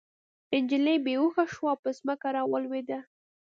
نجلۍ بې هوښه شوه او په ځمکه راولوېده